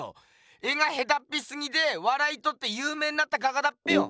絵がへたっぴすぎてわらいとってゆうめいになった画家だっぺよ！